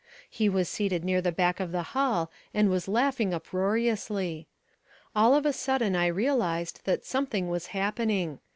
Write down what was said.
He was seated near the back of the hall and was laughing uproariously. All of a sudden I realised that something was happening.